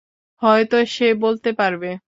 হয়তো সে বলতে পারবে।